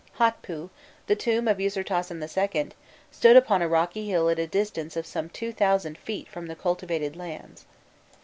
"Hotpû," the tomb of Usirtasen II., stood upon a rocky hill at a distance of some two thousand feet from the cultivated lands.